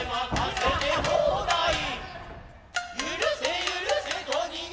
はい。